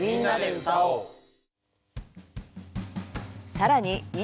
さらにＥ